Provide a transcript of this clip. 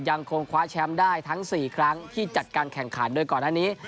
ยังคงคว้าแชมป์ได้ทั้ง๔ครั้งที่จัดการแข่งขันโดยก่อนอันนี้